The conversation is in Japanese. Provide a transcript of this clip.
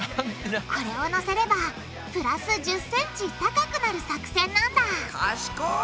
これをのせればプラス１０ｃｍ高くなる作戦なんだ賢い！